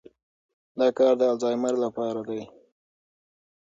دا کار د الزایمر لپاره دی.